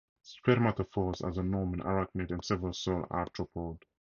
Spermatophores are the norm in arachnids and several soil arthropods.